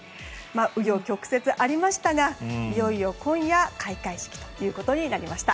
紆余曲折ありましたがいよいよ今夜、開会式となりました。